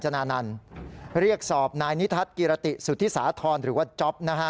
นายนิทัศน์กิรติสุธิศาธรรณหรือว่าจ๊อปนะฮะ